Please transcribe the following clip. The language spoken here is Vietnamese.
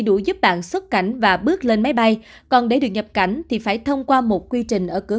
là dặn xuất cảnh và bước lên máy bay còn để được nhập cảnh thì phải thông qua một quy trình ở cửa